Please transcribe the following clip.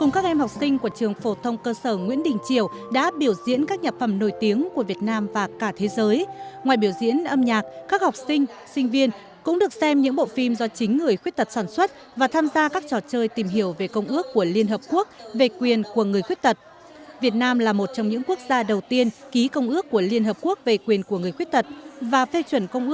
đây là chương trình dành cho các em học sinh sinh viên khuyết tật hòa nhập một cách tốt hơn